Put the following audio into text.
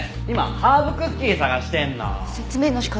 今ハーブクッキー探してんの。